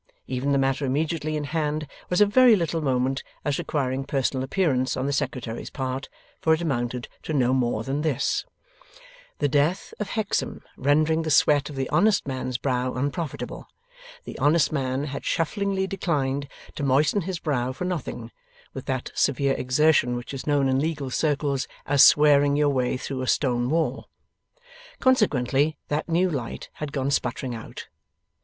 Even the matter immediately in hand was of very little moment as requiring personal appearance on the Secretary's part, for it amounted to no more than this: The death of Hexam rendering the sweat of the honest man's brow unprofitable, the honest man had shufflingly declined to moisten his brow for nothing, with that severe exertion which is known in legal circles as swearing your way through a stone wall. Consequently, that new light had gone sputtering out.